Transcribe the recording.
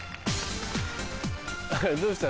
どうした？